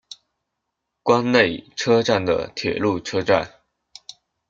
关内车站的铁路车站。